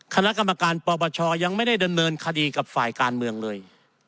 คณะกรรมการปปชยังไม่ได้ดำเนินคดีกับฝ่ายการเมืองเลย